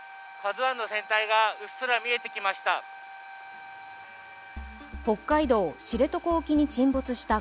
「ＫＡＺＵⅠ」の船体がうっすら見えてきました。